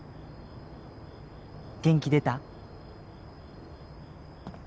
元気出た？